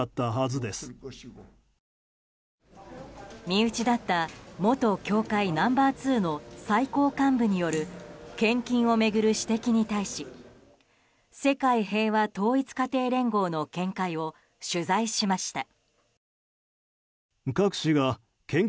身内だった元教会ナンバー２の最高幹部による献金を巡る指摘に対し世界平和統一家庭連合の見解を取材しました。